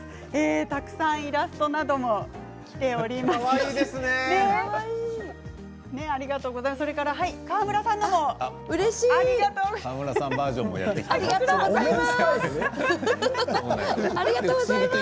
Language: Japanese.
たくさんイラストなどもきております。